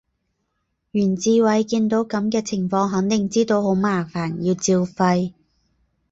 袁志偉見到噉嘅情況肯定知道好麻煩，要照肺